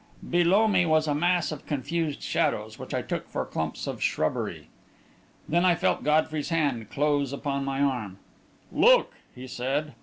Below me was a mass of confused shadows, which I took for clumps of shrubbery. Then I felt Godfrey's hand close upon my arm. "Look!" he said.